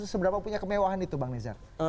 seberapa punya kemewahan itu bang nezar